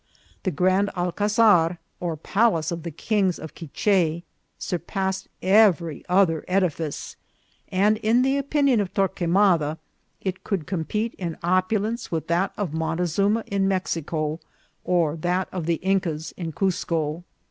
The grand alcazar, or palace of the kings of Quiche, surpassed every other edifice; and in the opinion of Torquemada, it could compete in opulence with that of Montezuma in Mexico, or that of the Incas in Cuzco.